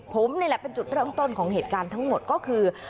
ผมนี่แหละเป็นจุดเริ่มต้นของเหตุการณ์ทั้งหมดก็คือ